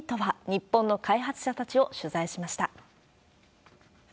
日本の開発者たちを取材しました。